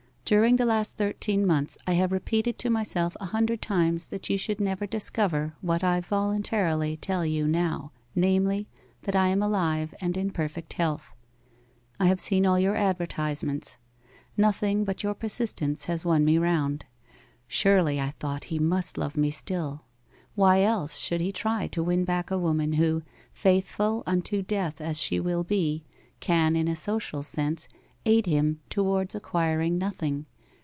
'"During the last thirteen months I have repeated to myself a hundred times that you should never discover what I voluntarily tell you now, namely, that I am alive and in perfect health. '"I have seen all your advertisements. Nothing but your persistence has won me round. Surely, I thought, he must love me still. Why else should he try to win back a woman who, faithful unto death as she will be, can, in a social sense, aid him towards acquiring nothing?